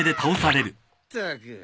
ったく。